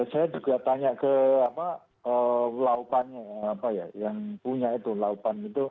ya saya juga tanya ke apa laupannya apa ya yang punya itu laupan itu